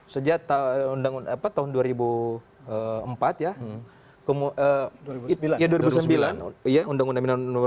sejak tahun dua ribu empat ya